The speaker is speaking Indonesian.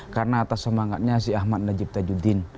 karena atas semangatnya si ahmad najib tajuddin